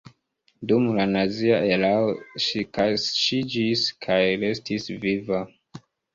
Dum la nazia erao ŝi kaŝiĝis kaj restis viva.